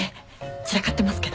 散らかってますけど。